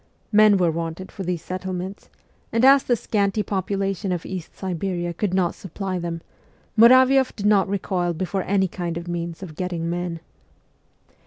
Men were wanted for these settlements, and as the scanty popula tion of East Siberia could not supply them, Muravioff did not recoil before any kind of means of getting men.